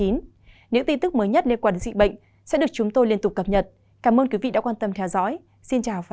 những tin tức mới nhất liên quan đến dịch bệnh sẽ được chúng tôi liên tục cập nhật cảm ơn quý vị đã quan tâm theo dõi xin chào và hẹn gặp lại